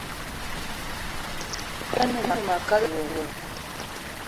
Dwé a ne ma a kalada wo.